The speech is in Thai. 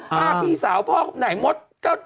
ป้าพี่สาวพ่อเดี๋ยวไหนหมด